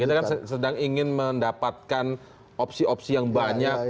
kita kan sedang ingin mendapatkan opsi opsi yang banyak